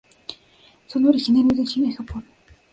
Son originarios de China y Japón.